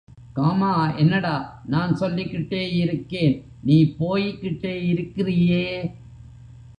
Gamma என்னடா நான் சொல்லிக்கிட்டே இருக்கேன் நீ போயிக்கிட்டே இருக்கிறீயே!